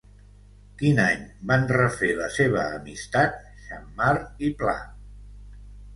Quin any van refer la seva amistat Xammar i Pla?